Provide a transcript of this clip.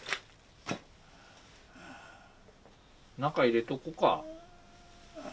中入れとこか。